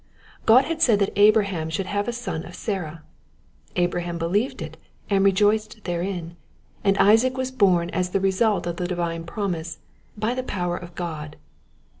God had said that Abraham should have a son of Sarah ; Abraham believed it, and rejoiced therein, and Isaac was born as the re sult of the divine promise, by the power of God.